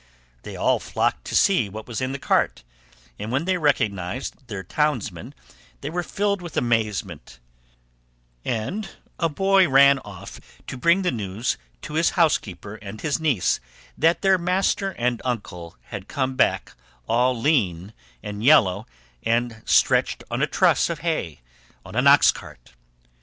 They all flocked to see what was in the cart, and when they recognised their townsman they were filled with amazement, and a boy ran off to bring the news to his housekeeper and his niece that their master and uncle had come back all lean and yellow and stretched on a truss of hay on an ox cart.